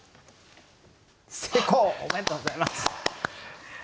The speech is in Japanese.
おめでとうございます。